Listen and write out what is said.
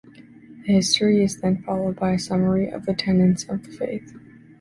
The history is then followed by a summary of the tenets of the faith.